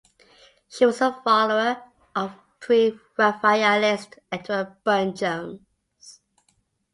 She was a follower of Pre-Raphaelist Edward Burne-Jones.